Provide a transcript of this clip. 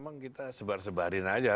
sebenarnya kita sebar sebarin saja